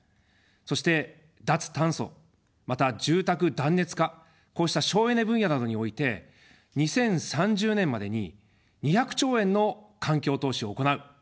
そして脱炭素、また住宅断熱化、こうした省エネ分野などにおいて２０３０年までに２００兆円の環境投資を行う。